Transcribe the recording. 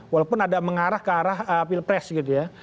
walaupun ada mengarah ke arah pilpres gitu ya